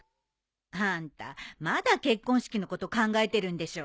あんたまだ結婚式のこと考えてるんでしょ。